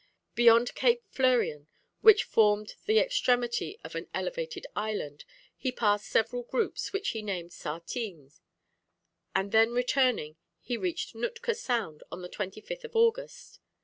Beyond Cape Fleurien, which formed the extremity of an elevated island, he passed several groups, which he named Sartines, and then returning, he reached Nootka Sound on the 25th of August.